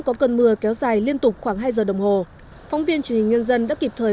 có cơn mưa kéo dài liên tục khoảng hai giờ đồng hồ phóng viên truyền hình nhân dân đã kịp thời